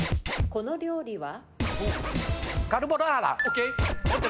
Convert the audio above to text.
この料理は？